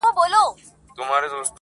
• تا دي کرلي ثوابونه د عذاب وخت ته.